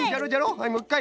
はいもう１かい！